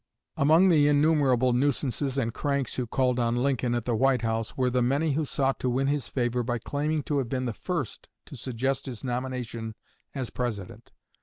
Among the innumerable nuisances and "cranks" who called on Lincoln at the White House, were the many who sought to win his favor by claiming to have been the first to suggest his nomination as President.